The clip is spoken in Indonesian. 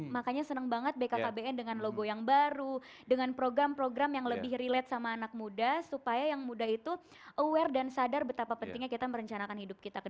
makanya senang banget bkkbn dengan logo yang baru dengan program program yang lebih relate sama anak muda supaya yang muda itu aware dan sadar betapa pentingnya kita merencanakan hidup kita ke depan